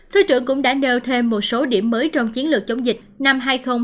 thứ trưởng cũng đã nêu thêm một số điểm mới trong chiến lược chống dịch năm hai nghìn hai mươi